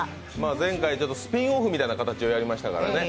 前回、スピンオフみたいな形をやりましたからね。